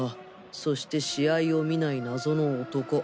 そして試合を見ない謎の男。